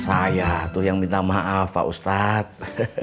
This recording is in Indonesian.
saya tuh yang minta maaf pak ustadz